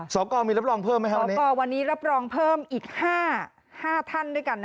กรมีรับรองเพิ่มไหมครับสกวันนี้รับรองเพิ่มอีก๕ท่านด้วยกัน